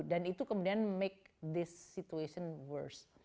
dan itu kemudian make this situation worse